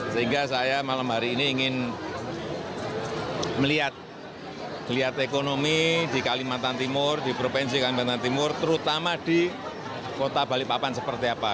sehingga saya malam hari ini ingin melihat ekonomi di kalimantan timur di provinsi kalimantan timur terutama di kota balikpapan seperti apa